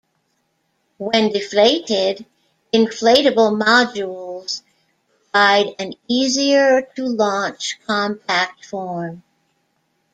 When deflated, inflatable modules provide an 'easier to launch' compact form.